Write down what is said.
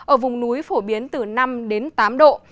ở vùng núi phổ biến từ năm đến tám độ